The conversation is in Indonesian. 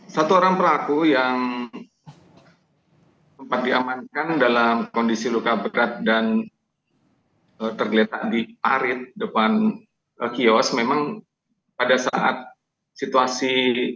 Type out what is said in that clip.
satu orang pelaku yang sempat diamankan dalam kondisi luka berat dan tergeletak di parit depan kios memang pada saat situasi